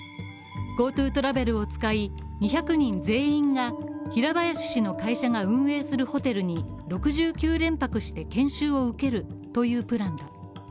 ＧｏＴｏトラベルを使い、２００人全員が平林の会社が運営するホテルに６９連泊して研修を受けるというプラン。